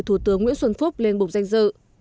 thủ tướng nguyễn xuân phúc lên bục danh dự